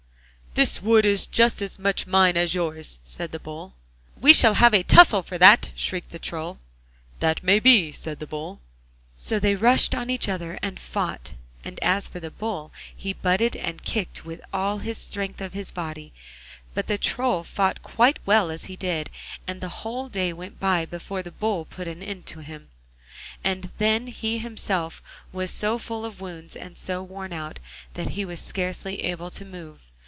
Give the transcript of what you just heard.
'The wood is just as much mine as yours!' said the Bull. 'We shall have a tussle for that!' shrieked the Troll. 'That may be,' said the Bull. So they rushed on each other and fought, and as for the Bull he butted and kicked with all the strength of his body, but the Troll fought quite as well as he did, and the whole day went by before the Bull put an end to him, and then he himself was so full of wounds and so worn out that he was scarcely able to move.